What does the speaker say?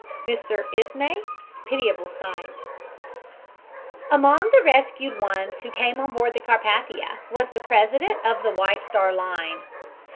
MR. ISMY "PITIABLE SIGHT" Among the rescued ones who came on board the Carpathia was the president of the White Star Line.